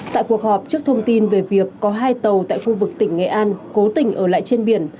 tại cuộc họp trước thông tin về việc có hai tàu tại khu vực tỉnh nghệ an cố tình ở lại trên biển